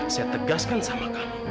saya tegaskan sama kamu